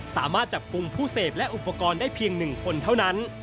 สามารถจับกลุ่มผู้เสพและอุปกรณ์ได้เพียง๑คนเท่านั้น